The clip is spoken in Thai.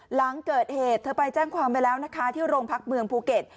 หลังเกิดเหตุเธอไปแจ้งความไปแล้วนะคะที่โรงพักเมืองภูเก็ต